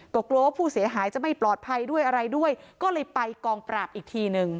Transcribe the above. ก็กลัวว่าผู้เสียหายจะไม่ปลอดภัยด้วยอะไรด้วยก็เลยไปกองปราบอีกทีหนึ่ง